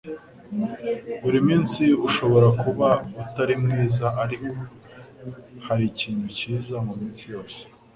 Buri munsi ushobora kuba utari mwiza ariko harikintu cyiza muminsi yose.